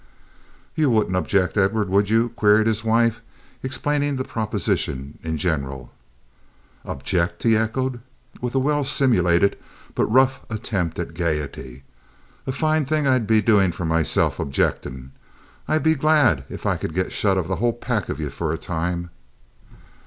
"You wouldn't object, Edward, would you?" queried his wife, explaining the proposition in general. "Object!" he echoed, with a well simulated but rough attempt at gayety. "A fine thing I'd be doing for meself—objectin'. I'd be glad if I could get shut of the whole pack of ye for a time."